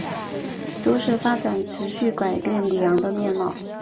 都市发展持续改变里昂的面貌。